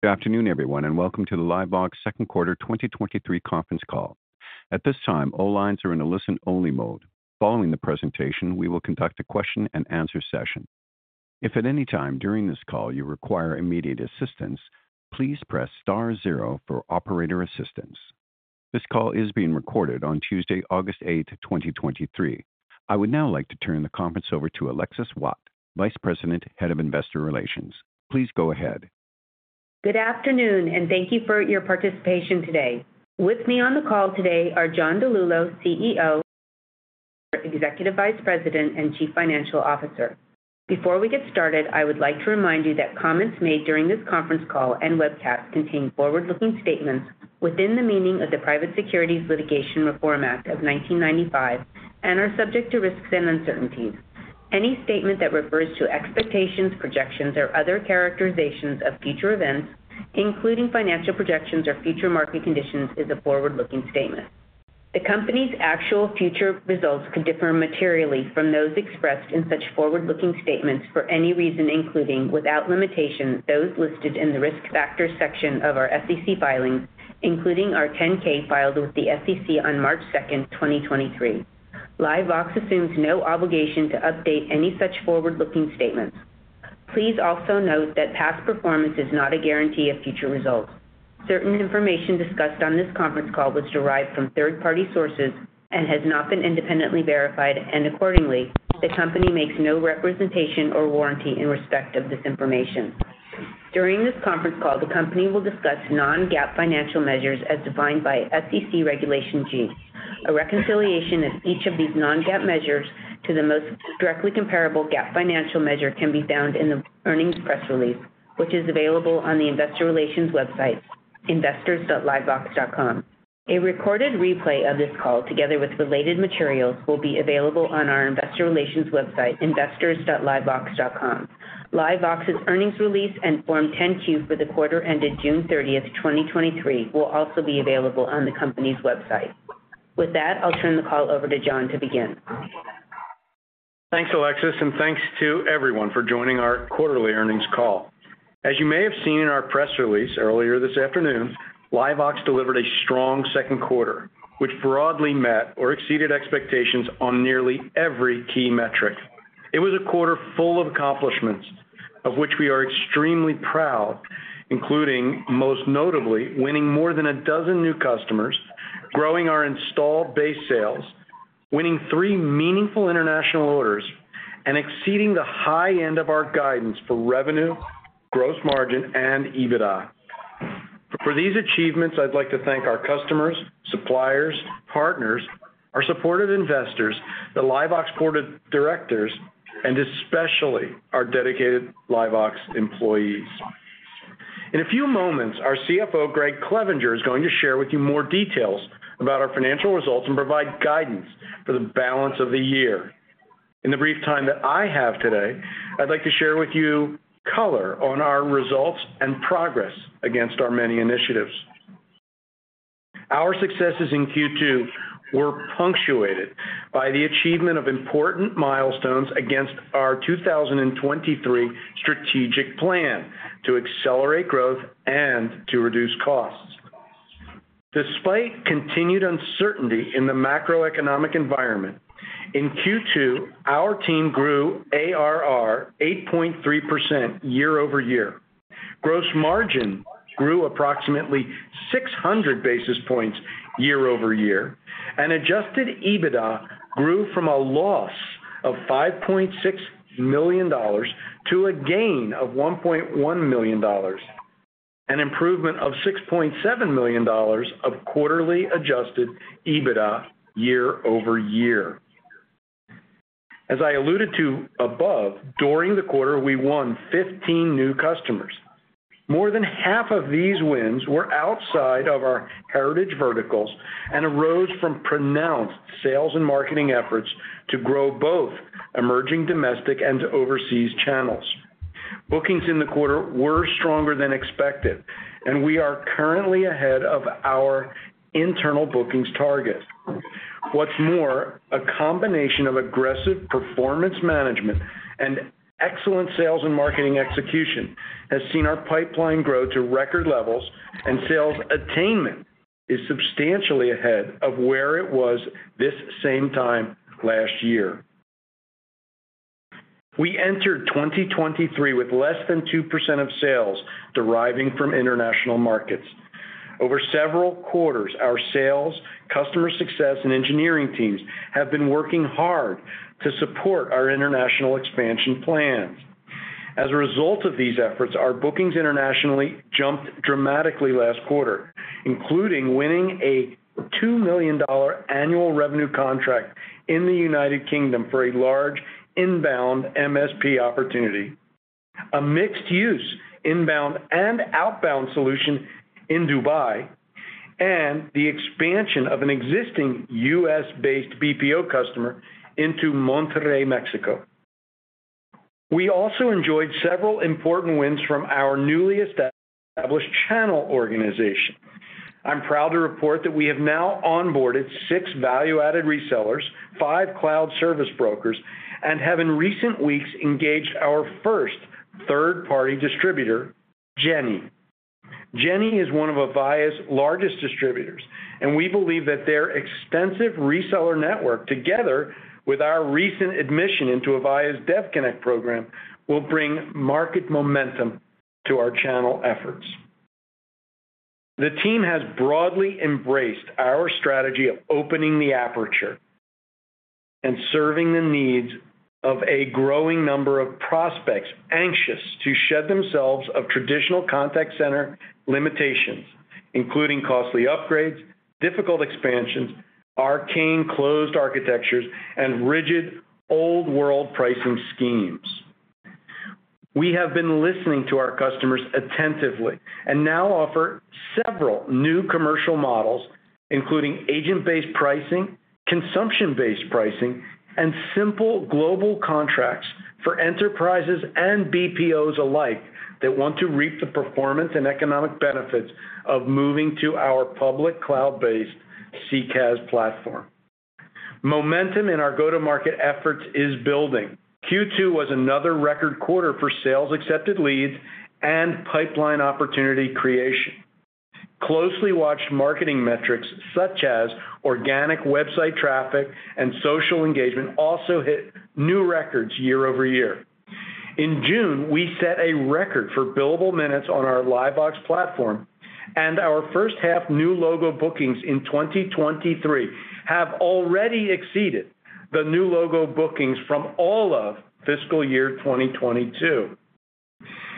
Good afternoon, everyone, and welcome to the LiveVox second quarter 2023 conference call. At this time, all lines are in a listen-only mode. Following the presentation, we will conduct a question and answer session. If at any time during this call you require immediate assistance, please press star zero for operator assistance. This call is being recorded on Tuesday, August 8, 2023. I would now like to turn the conference over to Alexis Waadt, Vice President, Head of Investor Relations. Please go ahead. Good afternoon. Thank you for your participation today. With me on the call today are John DiLullo, Chief Executive Officer, Executive Vice President, and Chief Financial Officer. Before we get started, I would like to remind you that comments made during this conference call and webcast contain forward-looking statements within the meaning of the Private Securities Litigation Reform Act of 1995 and are subject to risks and uncertainties. Any statement that refers to expectations, projections, or other characterizations of future events, including financial projections or future market conditions, is a forward-looking statement. The company's actual future results could differ materially from those expressed in such forward-looking statements for any reason, including, without limitation, those listed in the Risk Factors section of our SEC filings, including our 10-K filed with the SEC on March second, 2023. LiveVox assumes no obligation to update any such forward-looking statements. Please also note that past performance is not a guarantee of future results. Certain information discussed on this conference call was derived from third-party sources and has not been independently verified, and accordingly, the company makes no representation or warranty in respect of this information. During this conference call, the company will discuss non-GAAP financial measures as defined by SEC Regulation G. A reconciliation of each of these non-GAAP measures to the most directly comparable GAAP financial measure can be found in the earnings press release, which is available on the Investor Relations website, investors.livevox.com. A recorded replay of this call, together with related materials, will be available on our Investor Relations website, investors.livevox.com. LiveVox's earnings release and Form 10-Q for the quarter ended June 30, 2023, will also be available on the company's website. With that, I'll turn the call over to John to begin. Thanks, Alexis. Thanks to everyone for joining our quarterly earnings call. As you may have seen in our press release earlier this afternoon, LiveVox delivered a strong second quarter, which broadly met or exceeded expectations on nearly every key metric. It was a quarter full of accomplishments of which we are extremely proud, including, most notably, winning more than 12 new customers, growing our installed base sales, winning 3 meaningful international orders, and exceeding the high end of our guidance for revenue, gross margin, and EBITDA. For these achievements, I'd like to thank our customers, suppliers, partners, our supportive investors, the LiveVox board of directors, and especially our dedicated LiveVox employees. In a few moments, our CFO, Gregg Clevenger, is going to share with you more details about our financial results and provide guidance for the balance of the year. In the brief time that I have today, I'd like to share with you color on our results and progress against our many initiatives. Our successes in Q2 were punctuated by the achievement of important milestones against our 2023 strategic plan to accelerate growth and to reduce costs. Despite continued uncertainty in the macroeconomic environment, in Q2, our team grew ARR 8.3% year-over-year. Gross margin grew approximately 600 basis points year-over-year, and adjusted EBITDA grew from a loss of $5.6 million to a gain of $1.1 million, an improvement of $6.7 million of quarterly adjusted EBITDA year-over-year. As I alluded to above, during the quarter, we won 15 new customers. More than half of these wins were outside of our heritage verticals and arose from pronounced sales and marketing efforts to grow both emerging domestic and overseas channels. Bookings in the quarter were stronger than expected. We are currently ahead of our internal bookings target. What's more, a combination of aggressive performance management and excellent sales and marketing execution has seen our pipeline grow to record levels. Sales attainment is substantially ahead of where it was this same time last year. We entered 2023 with less than 2% of sales deriving from international markets. Over several quarters, our sales, customer success, and engineering teams have been working hard to support our international expansion plans. As a result of these efforts, our bookings internationally jumped dramatically last quarter, including winning a $2 million annual revenue contract in the United Kingdom for a large inbound MSP opportunity, a mixed-use inbound and outbound solution in Dubai, and the expansion of an existing U.S.-based BPO customer into Monterrey, Mexico. We also enjoyed several important wins from our newly established channel organization. I'm proud to report that we have now onboarded 6 value-added resellers, 5 cloud service brokers, and have in recent weeks, engaged our first third-party distributor, Jenne. Jenne is one of Avaya's largest distributors, and we believe that their extensive reseller network, together with our recent admission into Avaya's DevConnect program, will bring market momentum to our channel efforts. The team has broadly embraced our strategy of opening the aperture and serving the needs of a growing number of prospects, anxious to shed themselves of traditional contact center limitations, including costly upgrades, difficult expansions, arcane closed architectures, and rigid old-world pricing schemes. We have been listening to our customers attentively, and now offer several new commercial models, including agent-based pricing, consumption-based pricing, and simple global contracts for enterprises and BPOs alike, that want to reap the performance and economic benefits of moving to our public cloud-based CCaaS platform. Momentum in our go-to-market efforts is building. Q2 was another record quarter for sales-accepted leads and pipeline opportunity creation. Closely watched marketing metrics, such as organic website traffic and social engagement, also hit new records year-over-year. In June, we set a record for billable minutes on our LiveVox platform, and our first half new logo bookings in 2023 have already exceeded the new logo bookings from all of fiscal year 2022.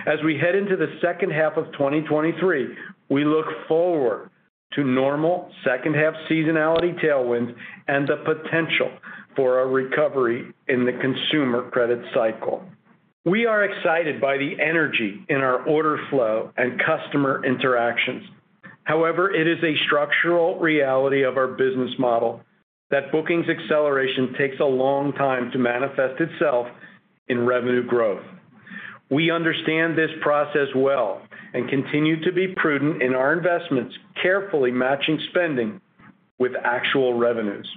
As we head into the second half of 2023, we look forward to normal second half seasonality tailwinds and the potential for a recovery in the consumer credit cycle. We are excited by the energy in our order flow and customer interactions. However, it is a structural reality of our business model that bookings acceleration takes a long time to manifest itself in revenue growth. We understand this process well and continue to be prudent in our investments, carefully matching spending with actual revenues.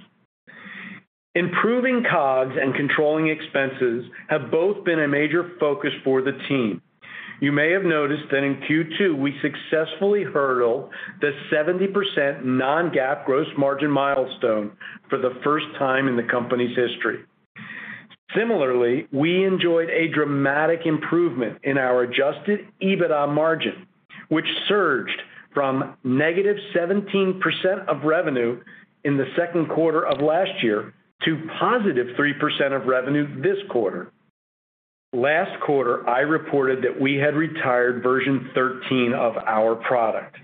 Improving COGS and controlling expenses have both been a major focus for the team. You may have noticed that in Q2, we successfully hurdled the 70% non-GAAP gross margin milestone for the first time in the company's history. Similarly, we enjoyed a dramatic improvement in our adjusted EBITDA margin, which surged from negative 17% of revenue in the second quarter of last year to positive 3% of revenue this quarter. Last quarter, I reported that we had retired version 13 of our product.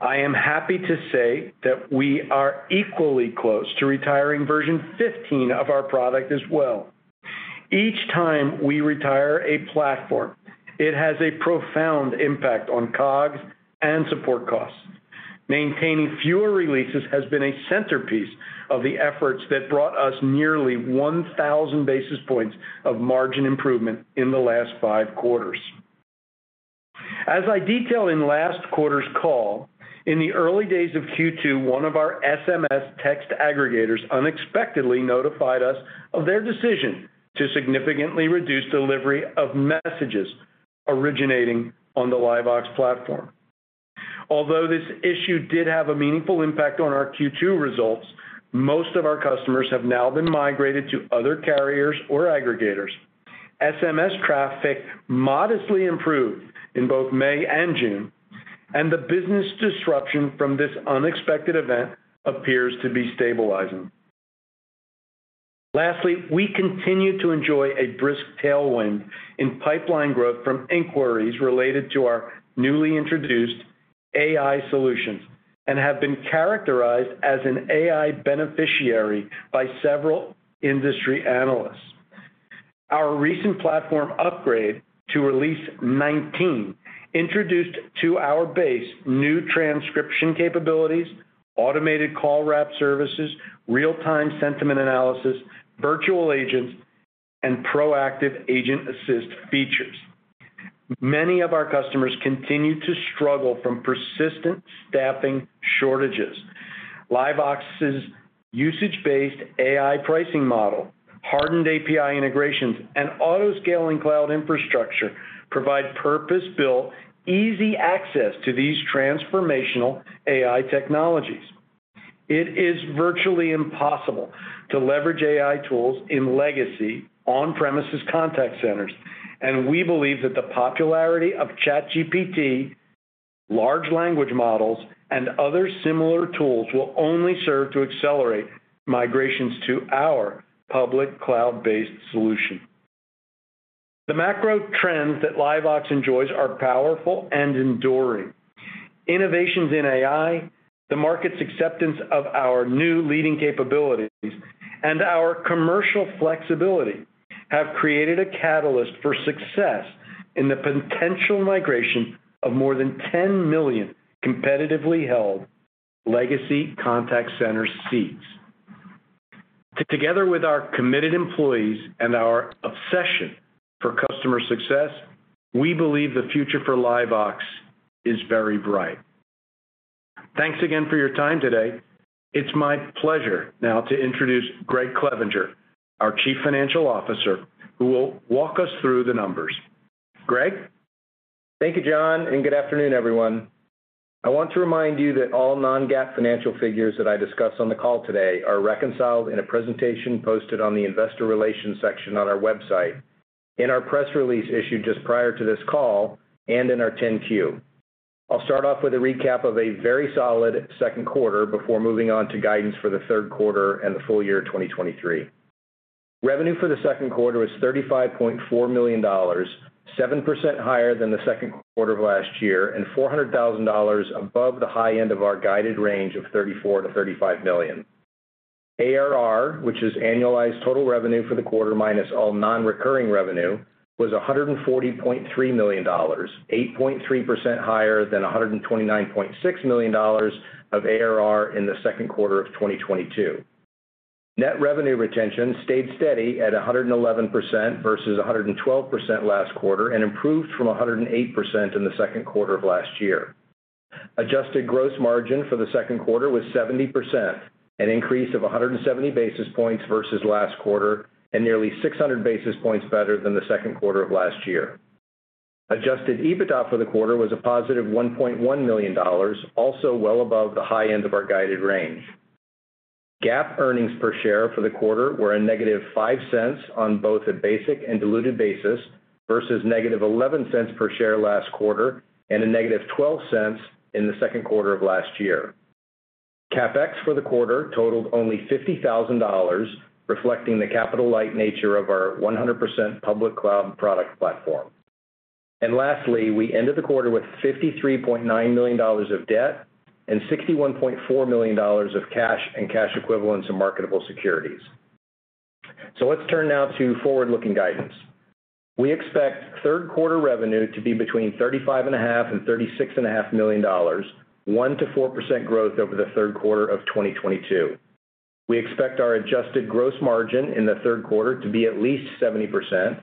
I am happy to say that we are equally close to retiring version 15 of our product as well. Each time we retire a platform, it has a profound impact on COGS and support costs. Maintaining fewer releases has been a centerpiece of the efforts that brought us nearly 1,000 basis points of margin improvement in the last five quarters. As I detailed in last quarter's call, in the early days of Q2, one of our SMS text aggregators unexpectedly notified us of their decision to significantly reduce delivery of messages originating on the LiveVox platform. Although this issue did have a meaningful impact on our Q2 results, most of our customers have now been migrated to other carriers or aggregators. SMS traffic modestly improved in both May and June, and the business disruption from this unexpected event appears to be stabilizing. Lastly, we continue to enjoy a brisk tailwind in pipeline growth from inquiries related to our newly introduced AI solutions, and have been characterized as an AI beneficiary by several industry analysts. Our recent platform upgrade to Release 19 introduced to our base new transcription capabilities, automated call wrap services, real-time sentiment analysis, virtual agents, and proactive Agent Assist features. Many of our customers continue to struggle from persistent staffing shortages. LiveVox's usage-based AI pricing model, hardened API integrations, and auto-scaling cloud infrastructure provide purpose-built, easy access to these transformational AI technologies. It is virtually impossible to leverage AI tools in legacy on-premises contact centers, and we believe that the popularity of ChatGPT, large language models, and other similar tools will only serve to accelerate migrations to our public cloud-based solution. The macro trends that LiveVox enjoys are powerful and enduring. Innovations in AI, the market's acceptance of our new leading capabilities, and our commercial flexibility, have created a catalyst for success in the potential migration of more than 10 million competitively held legacy contact center seats. Together with our committed employees and our obsession for customer success, we believe the future for LiveVox is very bright. Thanks again for your time today. It's my pleasure now to introduce Gregg Clevenger, our chief financial officer, who will walk us through the numbers. Greg? Thank you, John, and good afternoon, everyone. I want to remind you that all non-GAAP financial figures that I discuss on the call today are reconciled in a presentation posted on the investor relations section on our website, in our press release issued just prior to this call, and in our 10-Q. I'll start off with a recap of a very solid second quarter before moving on to guidance for the third quarter and the full year, 2023. Revenue for the second quarter was $35.4 million, 7% higher than the second quarter of last year, and $400,000 above the high end of our guided range of $34 million-$35 million. ARR, which is annualized total revenue for the quarter minus all non-recurring revenue, was $140.3 million, 8.3% higher than $129.6 million of ARR in the second quarter of 2022. Net revenue retention stayed steady at 111% versus 112% last quarter, and improved from 108% in the second quarter of last year. Adjusted gross margin for the second quarter was 70%, an increase of 170 basis points versus last quarter, and nearly 600 basis points better than the second quarter of last year. Adjusted EBITDA for the quarter was a positive $1.1 million, also well above the high end of our guided range. GAAP earnings per share for the quarter were a negative $0.05 on both a basic and diluted basis, versus negative $0.11 per share last quarter and a negative $0.12 in the second quarter of last year. CapEx for the quarter totaled only $50,000, reflecting the capital-light nature of our 100% public cloud product platform. Lastly, we ended the quarter with $53.9 million of debt and $61.4 million of cash and cash equivalents and marketable securities. Let's turn now to forward-looking guidance. We expect third quarter revenue to be between $35.5 million and $36.5 million, 1%-4% growth over the third quarter of 2022. We expect our adjusted gross margin in the third quarter to be at least 70%,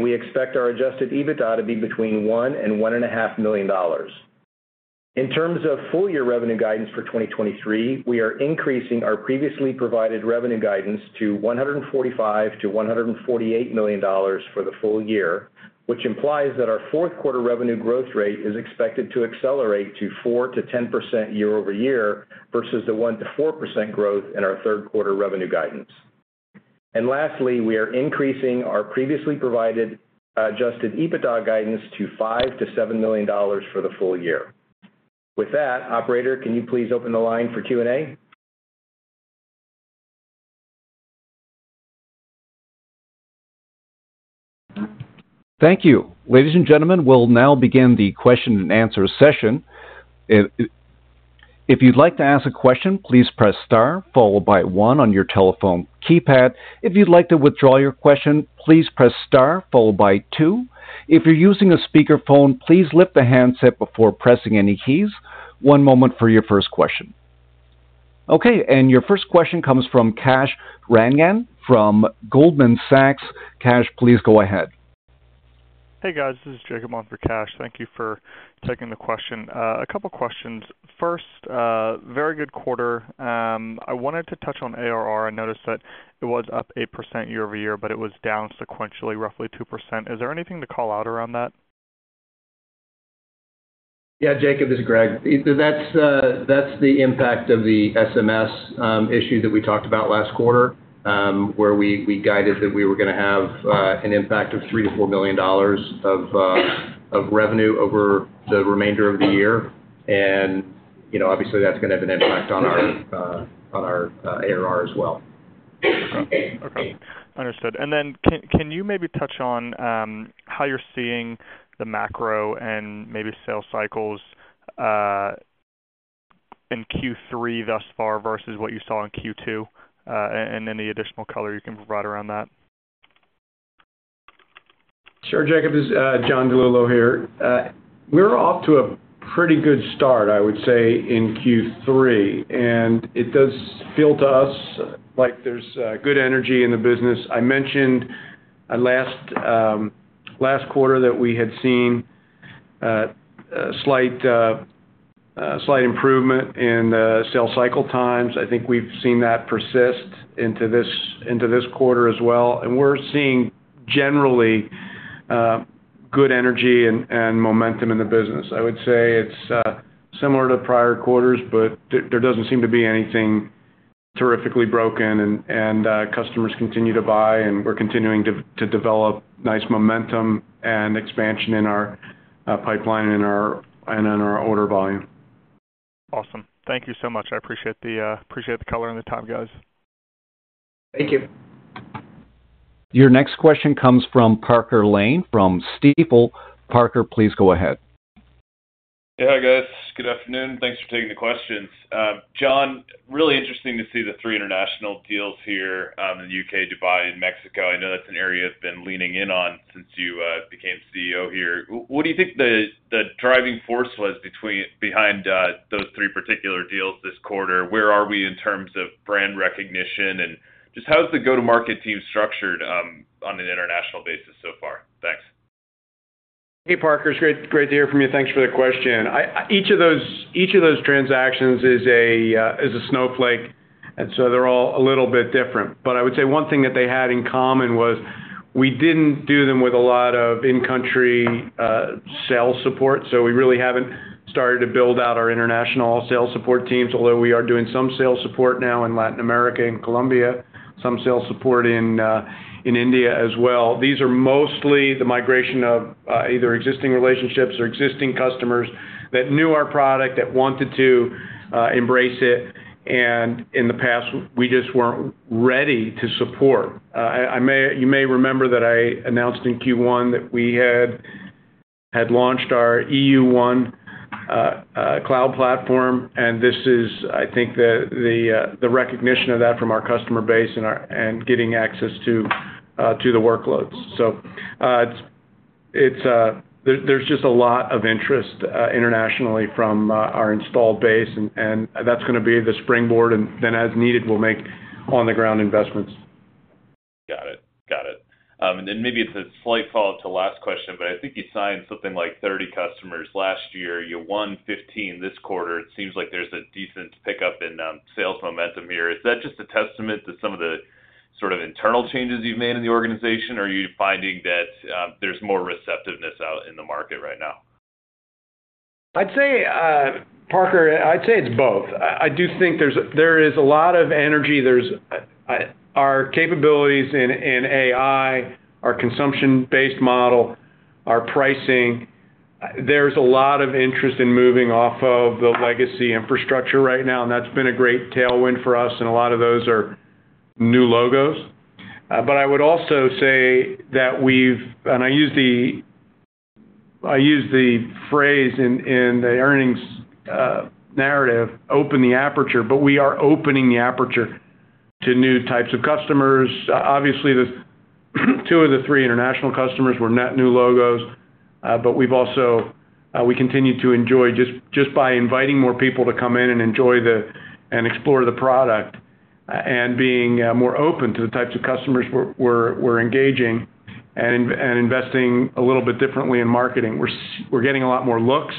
we expect our adjusted EBITDA to be between $1 million and $1.5 million. In terms of full-year revenue guidance for 2023, we are increasing our previously provided revenue guidance to $145 million-$148 million for the full year, which implies that our fourth quarter revenue growth rate is expected to accelerate to 4%-10% year-over-year, versus the 1%-4% growth in our third quarter revenue guidance. Lastly, we are increasing our previously provided adjusted EBITDA guidance to $5 million-$7 million for the full year. With that, operator, can you please open the line for Q&A? Thank you. Ladies and gentlemen, we'll now begin the question and answer session. If you'd like to ask a question, please press star followed by one on your telephone keypad. If you'd like to withdraw your question, please press star followed by two. If you're using a speakerphone, please lift the handset before pressing any keys. One moment for your first question. Your first question comes from Kash Rangan from Goldman Sachs. Kash, please go ahead. Hey, guys. This is Jacob on for Kash. Thank you for taking the question. A couple questions. First, very good quarter. I wanted to touch on ARR. I noticed that it was up 8% year-over-year, but it was down sequentially, roughly 2%. Is there anything to call out around that? Yeah, Jacob, this is Greg. That's, that's the impact of the SMS issue that we talked about last quarter, where we, we guided that we were gonna have an impact of $3 million-$4 million of revenue over the remainder of the year. You know, obviously, that's gonna have an impact on our, on our, ARR as well. Okay. Understood. Then, can, can you maybe touch on how you're seeing the macro and maybe sales cycles in Q3 thus far versus what you saw in Q2? Any additional color you can provide around that? Sure, Jacob, this is John DiLullo here. We're off to a pretty good start, I would say, in Q3, and it does feel to us like there's good energy in the business. I mentioned last last quarter that we had seen a slight slight improvement in sales cycle times. I think we've seen that persist into this, into this quarter as well, and we're seeing generally good energy and, and momentum in the business. I would say it's similar to prior quarters, but there, there doesn't seem to be anything terrifically broken, and, and customers continue to buy, and we're continuing to, to develop nice momentum and expansion in our pipeline and in our, and in our order volume. Awesome. Thank you so much. I appreciate the, appreciate the color and the time, guys. Thank you. Your next question comes from Parker Lane, from Stifel. Parker, please go ahead. Yeah, hi, guys. Good afternoon. Thanks for taking the questions. John, really interesting to see the three international deals here, in the U.K., Dubai, and Mexico. I know that's an area you've been leaning in on since you became CEO here. W-what do you think the driving force was behind those three particular deals this quarter? Where are we in terms of brand recognition, and just how is the go-to-market team structured, on an international basis so far? Hey, Parker. It's great, great to hear from you. Thanks for the question. Each of those, each of those transactions is a snowflake. They're all a little bit different. I would say one thing that they had in common was we didn't do them with a lot of in-country sales support. We really haven't started to build out our international sales support teams, although we are doing some sales support now in Latin America and Colombia, some sales support in India as well. These are mostly the migration of either existing relationships or existing customers that knew our product, that wanted to embrace it, and in the past, we just weren't ready to support. I, I may-- You may remember that I announced in Q1 that we had, had launched our EU1 cloud platform, and this is, I think, the, the recognition of that from our customer base and getting access to the workloads. It's, it's... There's just a lot of interest internationally from our installed base, and that's gonna be the springboard, and then, as needed, we'll make on-the-ground investments. Got it. Got it. Then maybe it's a slight follow-up to the last question. I think you signed something like 30 customers last year. You won 15 this quarter. It seems like there's a decent pickup in sales momentum here. Is that just a testament to some of the sort of internal changes you've made in the organization, or are you finding that there's more receptiveness out in the market right now? I'd say, Parker, I'd say it's both. I, I do think there is a lot of energy. There's, our capabilities in, in AI, our consumption-based model, our pricing. There's a lot of interest in moving off of the legacy infrastructure right now, and that's been a great tailwind for us, and a lot of those are new logos. I would also say that we've. I use the, I use the phrase in the earnings narrative, "open the aperture," but we are opening the aperture to new types of customers. Obviously, two of the three international customers were net new logos. We've also, we continue to enjoy just by inviting more people to come in and enjoy and explore the product, and being more open to the types of customers we're engaging and investing a little bit differently in marketing. We're getting a lot more looks.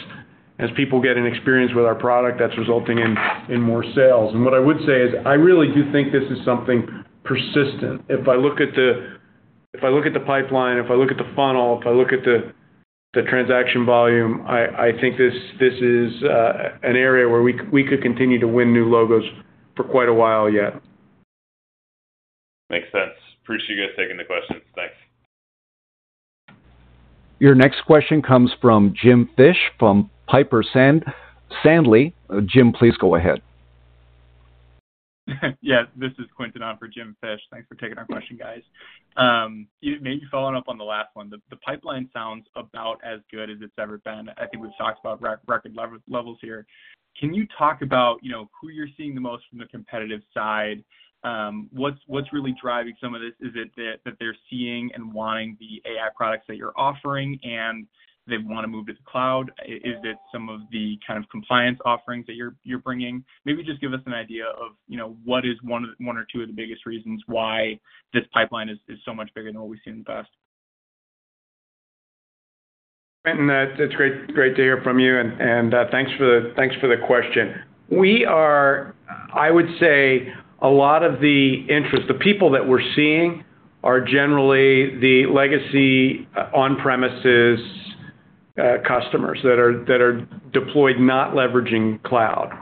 As people get an experience with our product, that's resulting in more sales. What I would say is, I really do think this is something persistent. If I look at the, if I look at the pipeline, if I look at the funnel, if I look at the transaction volume, I think this is an area where we could continue to win new logos for quite a while yet. Makes sense. Appreciate you guys taking the questions. Thanks. Your next question comes from Jim Fish, from Piper Sandler. Jim, please go ahead. Yeah, this is Quentin on for Quinton Gabrielli. Thanks for taking our question, guys. Maybe following up on the last one, the pipeline sounds about as good as it's ever been. I think we've talked about record levels here. Can you talk about, you know, who you're seeing the most from the competitive side? What's really driving some of this? Is it that they're seeing and wanting the AI products that you're offering, and they wanna move to the cloud? Is it some of the kind of compliance offerings that you're bringing? Maybe just give us an idea of, you know, what is one or two of the biggest reasons why this pipeline is so much bigger than what we've seen in the past. Quentin, it's great to hear from you, and thanks for the question. I would say a lot of the interest. The people that we're seeing are generally the legacy on-premises customers that are deployed, not leveraging cloud.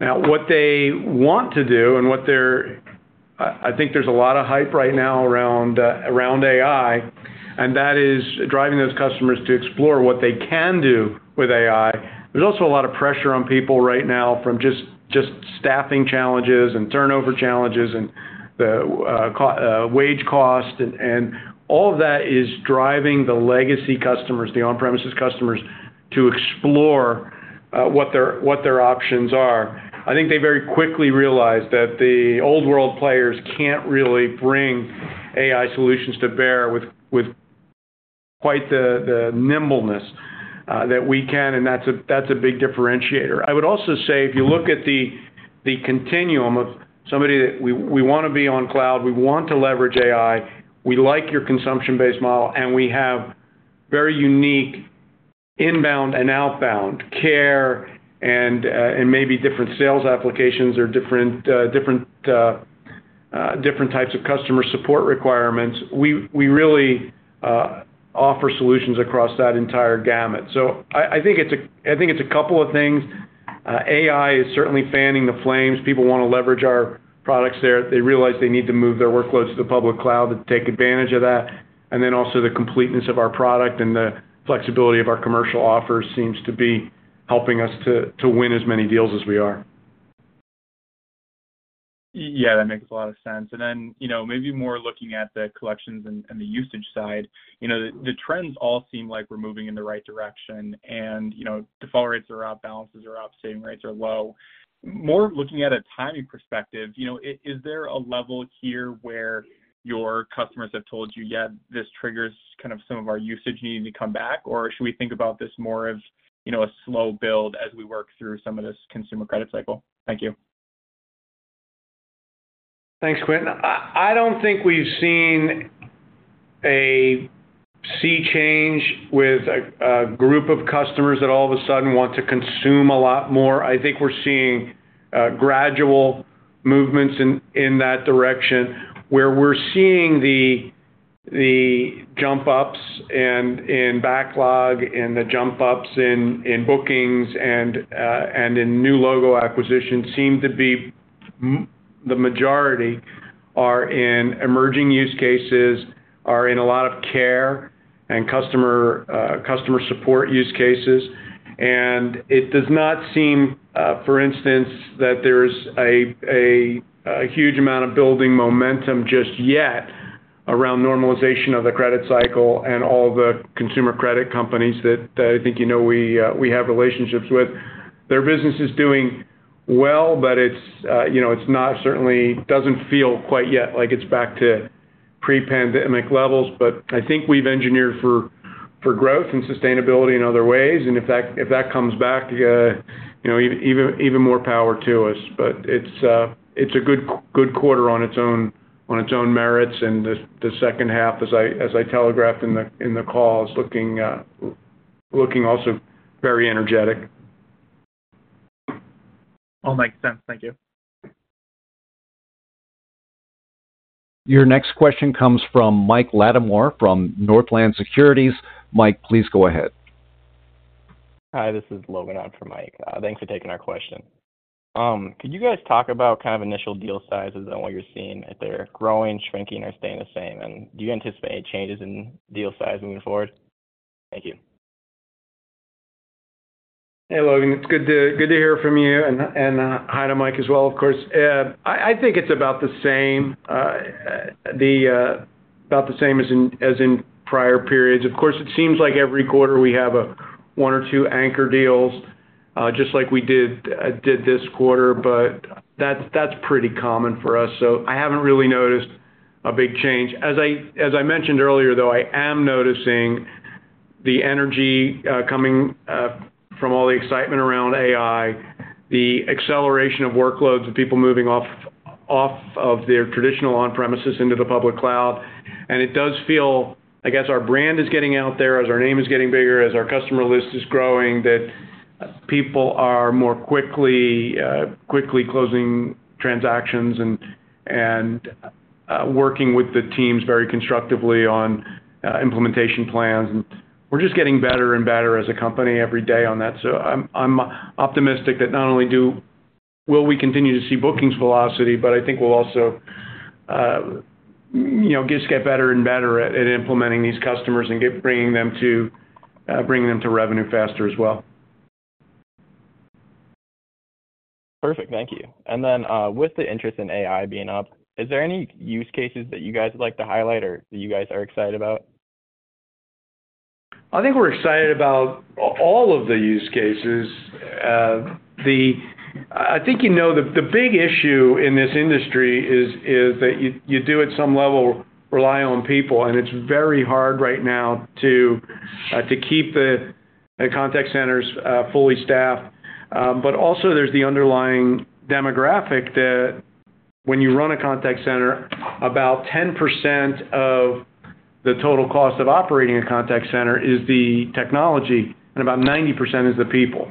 Now, what they want to do and what they're, I think there's a lot of hype right now around AI, and that is driving those customers to explore what they can do with AI. There's also a lot of pressure on people right now from just staffing challenges and turnover challenges and the wage cost, and all of that is driving the legacy customers, the on-premises customers, to explore what their options are. I think they very quickly realize that the old-world players can't really bring AI solutions to bear with, with quite the, the nimbleness that we can, and that's a, that's a big differentiator. I would also say, if you look at the, the continuum of somebody that we, we wanna be on cloud, we want to leverage AI, we like your consumption-based model, and we have very unique inbound and outbound care and maybe different sales applications or different different different types of customer support requirements, we, we really offer solutions across that entire gamut. I, I think it's a, I think it's a couple of things. AI is certainly fanning the flames. People wanna leverage our products there. They realize they need to move their workloads to the public cloud to take advantage of that. Also the completeness of our product and the flexibility of our commercial offers seems to be helping us to, to win as many deals as we are. Yeah, that makes a lot of sense. Then, you know, maybe more looking at the collections and, and the usage side, you know, the, the trends all seem like we're moving in the right direction, and, you know, default rates are up, balances are up, saving rates are low. More looking at a timing perspective, you know, is there a level here where your customers have told you, "Yeah, this triggers kind of some of our usage, you need to come back?" Should we think about this more as, you know, a slow build as we work through some of this consumer credit cycle? Thank you. ... Thanks, Quentin. I, I don't think we've seen a sea change with a, a group of customers that all of a sudden want to consume a lot more. I think we're seeing gradual movements in, in that direction. Where we're seeing the, the jump ups and in backlog, and the jump ups in, in bookings, and in new logo acquisitions seem to be the majority are in emerging use cases, are in a lot of care, and customer support use cases. It does not seem, for instance, that there's a, a, a huge amount of building momentum just yet around normalization of the credit cycle and all the consumer credit companies that, that I think you know we have relationships with. Their business is doing well, it's, you know, it's not certainly doesn't feel quite yet like it's back to pre-pandemic levels. I think we've engineered for, for growth and sustainability in other ways, and if that, if that comes back, you know, even, even more power to us. It's, it's a good, good quarter on its own, on its own merits, and the, the second half, as I, as I telegraphed in the, in the call, is looking, looking also very energetic. All makes sense. Thank you. Your next question comes from Mike Latimore from Northland Securities. Mike, please go ahead. Hi, this is Logan on for Mike. Thanks for taking our question. Could you guys talk about kind of initial deal sizes and what you're seeing, if they're growing, shrinking, or staying the same? Do you anticipate any changes in deal size moving forward? Thank you. Hey, Logan, it's good to hear from you, and hi to Mike as well, of course. I think it's about the same, about the same as in prior periods. Of course, it seems like every quarter we have one or two anchor deals, just like we did this quarter, but that's, that's pretty common for us, so I haven't really noticed a big change. As I mentioned earlier, though, I am noticing the energy, coming from all the excitement around AI, the acceleration of workloads of people moving off of their traditional on-premises into the public cloud. It does feel, I guess, our brand is getting out there as our name is getting bigger, as our customer list is growing, that people are more quickly, quickly closing transactions and, and working with the teams very constructively on implementation plans. We're just getting better and better as a company every day on that. I'm, I'm optimistic that not only will we continue to see bookings velocity, but I think we'll also, you know, just get better and better at, at implementing these customers and get bringing them to bringing them to revenue faster as well. Perfect. Thank you. Then, with the interest in AI being up, is there any use cases that you guys would like to highlight or that you guys are excited about? I think we're excited about all of the use cases. I think you know, the, the big issue in this industry is, is that you, you do, at some level, rely on people, and it's very hard right now to keep the, the contact centers fully staffed. Also there's the underlying demographic that when you run a contact center, about 10% of the total cost of operating a contact center is the technology, and about 90% is the people.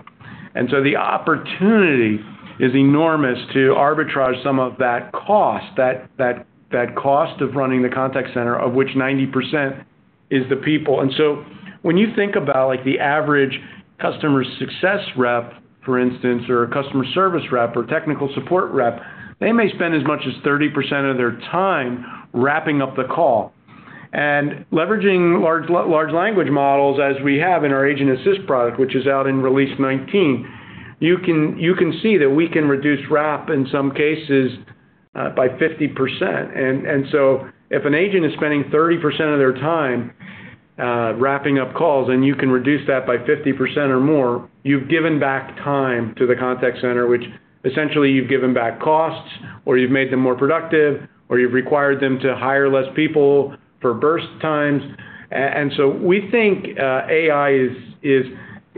The opportunity is enormous to arbitrage some of that cost, that, that, that cost of running the contact center, of which 90% is the people. When you think about, like, the average customer success rep, for instance, or a customer service rep, or technical support rep, they may spend as much as 30% of their time wrapping up the call. Leveraging large language models, as we have in our Agent Assist product, which is out in release 19, you can, you can see that we can reduce wrap, in some cases, by 50%. So if an agent is spending 30% of their time, wrapping up calls, and you can reduce that by 50% or more, you've given back time to the contact center, which essentially you've given back costs, or you've made them more productive, or you've required them to hire less people for burst times. We think AI is, is,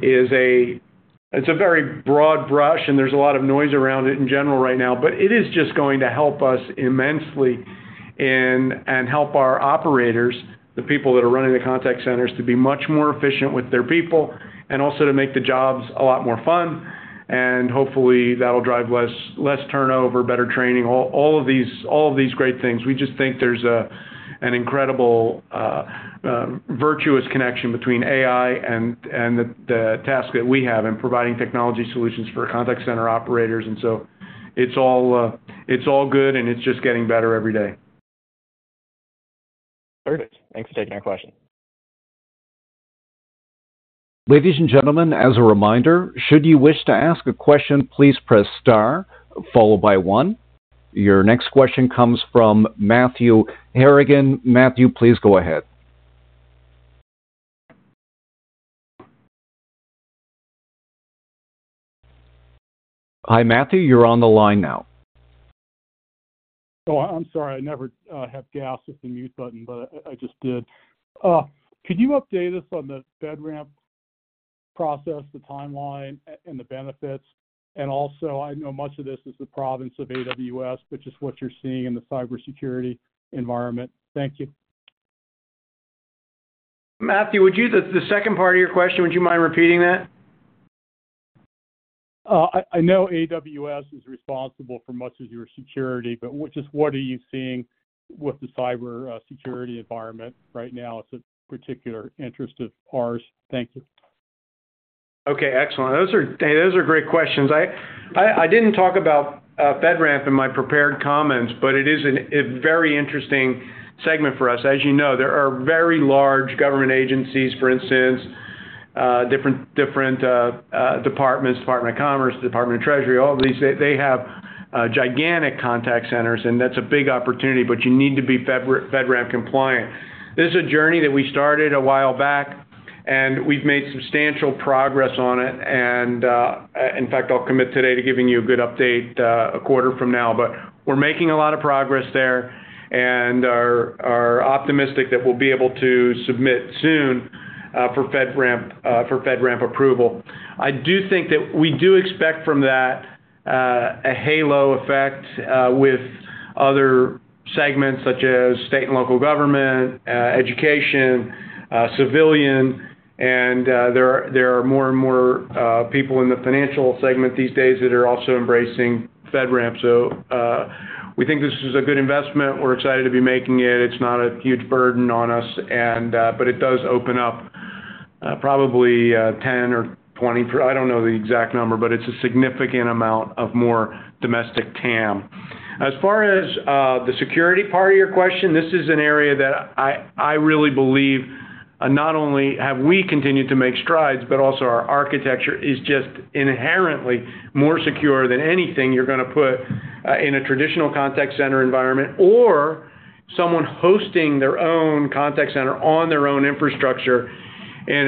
it's a very broad brush, and there's a lot of noise around it in general right now, but it is just going to help us immensely and, and help our operators, the people that are running the contact centers, to be much more efficient with their people and also to make the jobs a lot more fun. Hopefully, that'll drive less, less turnover, better training, all, all of these, all of these great things. We just think there's an incredible, virtuous connection between AI and, and the, the task that we have in providing technology solutions for contact center operators. It's all, it's all good, and it's just getting better every day. Perfect. Thanks for taking our question. Ladies and gentlemen, as a reminder, should you wish to ask a question, please press star followed by one. Your next question comes from Matthew Harrigan. Matthew, please go ahead. Hi, Matthew, you're on the line now. Oh, I'm sorry. I never have gas with the mute button, but I, I just did. Could you update us on the FedRAMP-... process, the timeline, and the benefits, and also, I know much of this is the province of AWS, but just what you're seeing in the cybersecurity environment. Thank you. Matthew, the second part of your question, would you mind repeating that? I, I know AWS is responsible for much of your security, but just what are you seeing with the cyber security environment right now? It's of particular interest of ours. Thank you. Okay, excellent. Those are, hey, those are great questions. I, I, I didn't talk about FedRAMP in my prepared comments, it is a very interesting segment for us. As you know, there are very large government agencies, for instance, different, different departments, Department of Commerce, Department of the Treasury, all of these, they have gigantic contact centers, and that's a big opportunity, but you need to be FedRAMP compliant. This is a journey that we started a while back, and we've made substantial progress on it, in fact, I'll commit today to giving you a good update a quarter from now. We're making a lot of progress there, and are optimistic that we'll be able to submit soon for FedRAMP for FedRAMP approval. I do think that we do expect from that, a halo effect, with other segments such as state and local government, education, civilian, and there are, there are more and more, people in the financial segment these days that are also embracing FedRAMP. We think this is a good investment. We're excited to be making it. It's not a huge burden on us, and. It does open up, probably, 10 or 20, I don't know the exact number, but it's a significant amount of more domestic TAM. As far as the security part of your question, this is an area that I, I really believe, not only have we continued to make strides, but also our architecture is just inherently more secure than anything you're gonna put in a traditional contact center environment, or someone hosting their own contact center on their own infrastructure in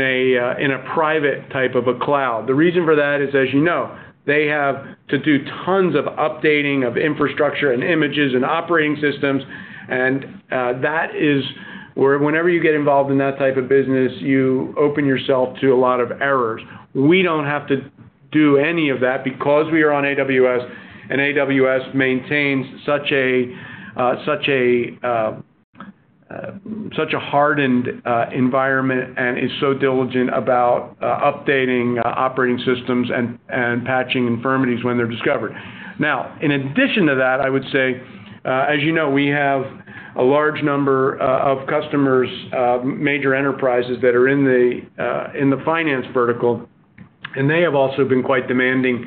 a private type of a cloud. The reason for that is, as you know, they have to do tons of updating of infrastructure, and images, and operating systems, and that is where whenever you get involved in that type of business, you open yourself to a lot of errors. We don't have to do any of that because we are on AWS, and AWS maintains such a hardened environment and is so diligent about updating operating systems and patching infirmities when they're discovered. In addition to that, I would say, as you know, we have a large number of customers, major enterprises that are in the finance vertical, and they have also been quite demanding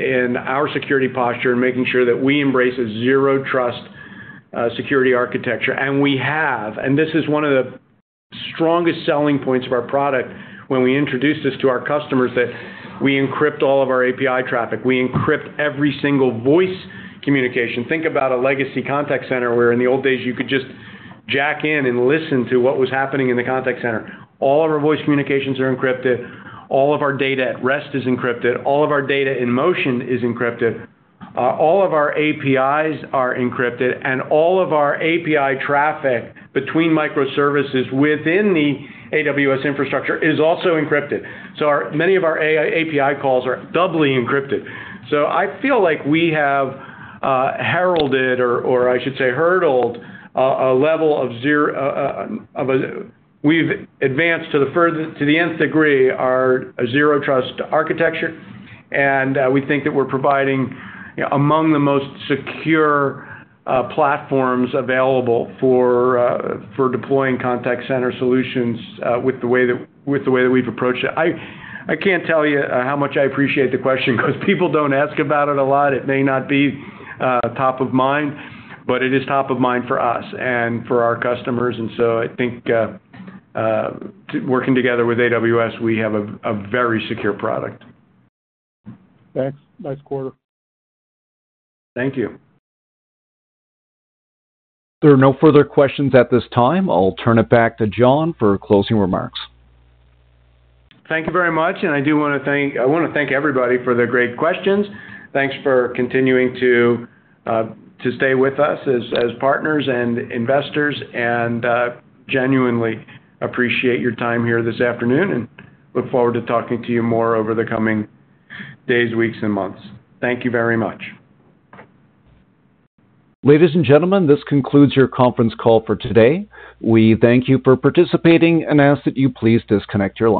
in our security posture and making sure that we embrace a zero trust security architecture, and we have. This is one of the strongest selling points of our product when we introduce this to our customers, that we encrypt all of our API traffic, we encrypt every single voice communication. Think about a legacy contact center, where in the old days, you could just jack in and listen to what was happening in the contact center. All of our voice communications are encrypted, all of our data at rest is encrypted, all of our data in motion is encrypted, all of our APIs are encrypted, and all of our API traffic between microservices within the AWS infrastructure is also encrypted. Many of our API calls are doubly encrypted. I feel like we have heralded, or, or I should say, hurdled. We've advanced to the further, to the nth degree, our zero trust architecture, and we think that we're providing among the most secure platforms available for deploying contact center solutions with the way that, with the way that we've approached it. I, I can't tell you how much I appreciate the question because people don't ask about it a lot. It may not be top of mind, but it is top of mind for us and for our customers. I think, working together with AWS, we have a very secure product. Thanks. Nice quarter. Thank you. There are no further questions at this time. I'll turn it back to John for closing remarks. Thank you very much. I wanna thank everybody for their great questions. Thanks for continuing to stay with us as partners and investors, genuinely appreciate your time here this afternoon and look forward to talking to you more over the coming days, weeks, and months. Thank you very much. Ladies and gentlemen, this concludes your conference call for today. We thank you for participating and ask that you please disconnect your lines.